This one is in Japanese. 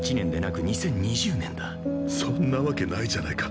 そんなわけないじゃないか。